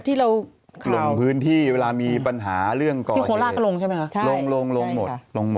ตอนนี้เปลี่ยนเป็นฮานุมาน